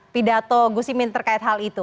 pidato gus imin terkait hal itu